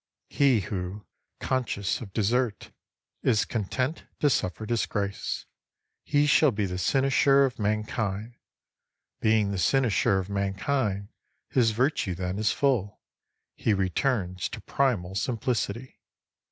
He who, conscious of desert, is content to suffer disgrace, — he shall be the cynosure of mankind. Being the cynosure of mankind, his Virtue then is full. He returns to primal simplicity.